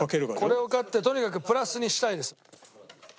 これを勝ってとにかくプラスにしたいです。